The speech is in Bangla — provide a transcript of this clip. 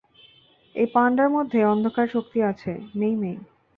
এই পান্ডার মধ্যে অন্ধকার শক্তি আছে, মেই-মেই।